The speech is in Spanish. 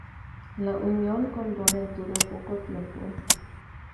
La unión con Bonnet duró poco tiempo.